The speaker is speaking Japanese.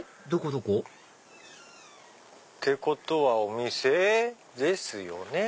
どこ？ってことはお店ですよね。